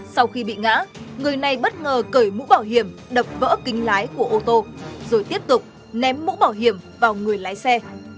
sau khi bị ngã người này bất ngờ cởi mũ bảo hiểm đập vỡ kính lái của ô tô rồi tiếp tục ném mũ bảo hiểm vào người lái xe